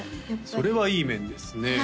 やっぱりそれはいい面ですね